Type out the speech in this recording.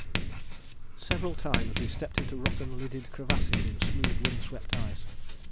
"Several times [we] stepped into rotten lidded crevasses in smooth wind swept ice.